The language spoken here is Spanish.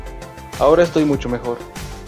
Ahora estoy mucho mejor"".